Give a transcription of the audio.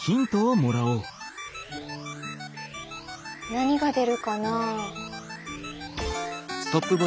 何が出るかな。